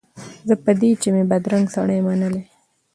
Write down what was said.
زه په دې چي مي بدرنګ سړی منلی